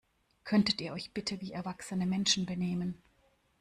Könntet ihr euch bitte wie erwachsene Menschen benehmen?